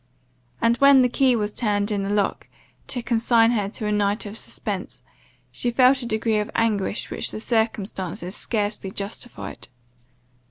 and, when the key turned in the lock, to consign her to a night of suspence, she felt a degree of anguish which the circumstances scarcely justified.